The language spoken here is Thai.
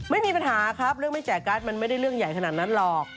ไม่มีปัญหาครับเรื่องไม่แจกการ์ดมันไม่ได้เรื่องใหญ่ขนาดนั้นหรอก